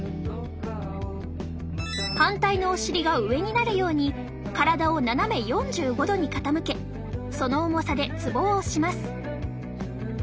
反対のお尻が上になるように体を斜め４５度に傾けその重さでツボを押します。